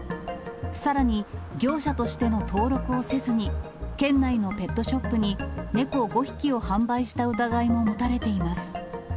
さらに、業者としての登録をせずに、県内のペットショップに猫５匹を販売した疑いも持たれています。